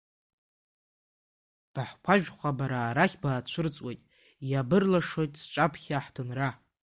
Баҳкәажәха бара арахь баацәырҵуеит, ибырлашоит сҿаԥхьа аҳҭынра.